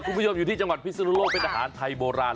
คุณผู้ชมอยู่ที่จังหวัดพิศนุโลกเป็นอาหารไทยโบราณ